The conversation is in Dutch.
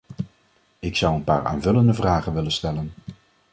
Ik zou een paar aanvullende vragen willen stellen.